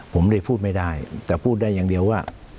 ผมเลยพูดไม่ได้แต่พูดได้อย่างเดียวว่า